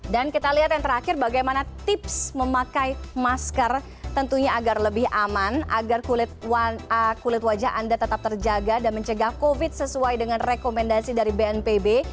dan kita lihat yang terakhir bagaimana tips memakai masker tentunya agar lebih aman agar kulit wajah anda tetap terjaga dan mencegah covid sesuai dengan rekomendasi dari bnpb